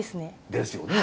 ですよね。